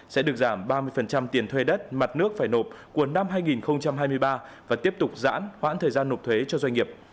sẽ được giảm ba mươi tiền thuê đất mặt nước phải nộp của năm hai nghìn hai mươi ba và tiếp tục giãn hoãn thời gian nộp thuế cho doanh nghiệp